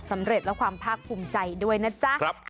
สำเร็จและความภาคภูมิใจด้วยนะจ๊ะ